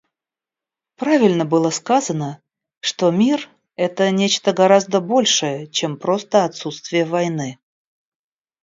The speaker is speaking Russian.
Правильно было сказано, что мир — это нечто гораздо большее, чем просто отсутствие войны.